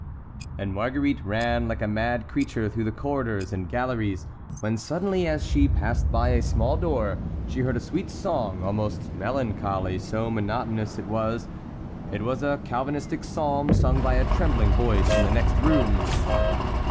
And Marguerite ran like a mad creature through the corridors and galleries, when suddenly, as she passed by a small door, she heard a sweet song, almost melancholy, so monotonous it was. It was a Calvinistic psalm, sung by a trembling voice in the next room.